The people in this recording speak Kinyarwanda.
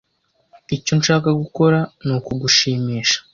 Icyo nshaka gukora nukugushimisha.